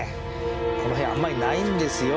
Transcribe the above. この辺あんまりないんですよ。